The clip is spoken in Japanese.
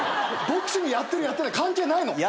ボクシングやってるやってない関係ないの。